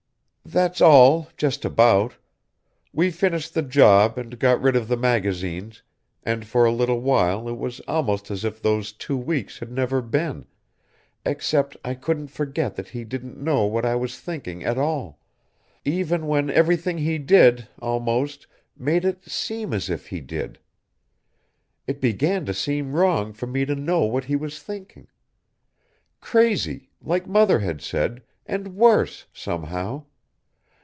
"That's all, just about. We finished the job and got rid of the magazines and for a little while it was almost as if those two weeks had never been, except I couldn't forget that he didn't know what I was thinking at all, even when everything he did, almost, made it seem as if he did. It began to seem wrong for me to know what he was thinking. Crazy, like Mother had said, and worse, somehow.